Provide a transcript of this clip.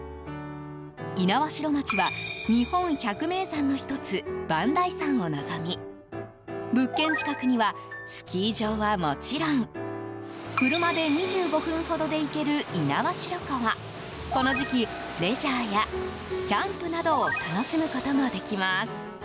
猪苗代町は日本百名山の１つ、磐梯山を望み物件近くにはスキー場はもちろん車で２５分ほどで行ける猪苗代湖は、この時期レジャーやキャンプなどを楽しむこともできます。